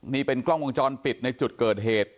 นี่เป็นกล้องวงจรปิดในจุดเกิดเหตุ